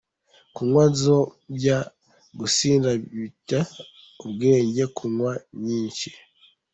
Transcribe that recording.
Kunywa nzobya = Gusinda bita ubwenge; kunywa icyinshi.